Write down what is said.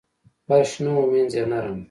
فرش نه و مینځ یې نرم و.